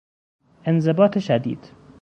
انضباط شدید